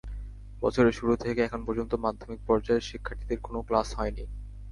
বছরের শুরু থেকে এখন পর্যন্ত মাধ্যমিক পর্যায়ের শিক্ষার্থীদের কোনো ক্লাস হয়নি।